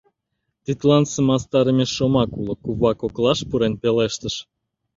— Тидлан сымыстарыме шомак уло, — кува коклаш пурен пелештыш.